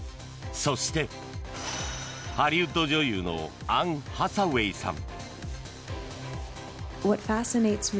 そして、ハリウッド女優のアン・ハサウェイさん。